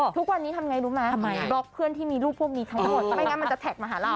ทุกวันนี้ทำไงรู้ไหมบล็อกเพื่อนที่มีรูปพวกนี้ทั้งหมดไม่งั้นมันจะแท็กมาหาเรา